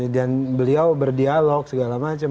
beliau berdialog segala macam